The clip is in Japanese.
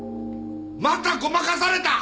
またごまかされた。